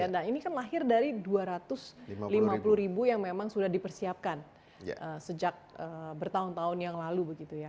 nah ini kan lahir dari dua ratus lima puluh ribu yang memang sudah dipersiapkan sejak bertahun tahun yang lalu begitu ya